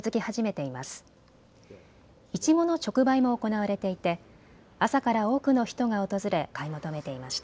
いちごの直売も行われていて朝から多くの人が訪れ買い求めていました。